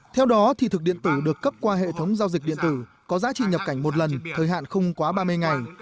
theo đó thị thực điện tử được cấp qua hệ thống giao dịch điện tử có giá trị nhập cảnh một lần thời hạn không quá ba mươi ngày